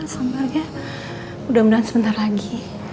sambalnya mudah mudahan sebentar lagi